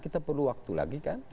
kita perlu waktu lagi kan